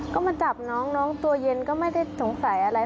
ก็มาจับน้องน้องตัวเย็นก็ไม่ได้สงสัยอะไร